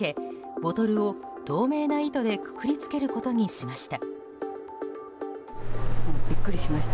ボトルを透明な糸でくくりつけることにしました。